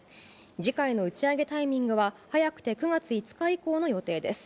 次回の打ち上げタイミングは、早くて９月５日以降の予定です。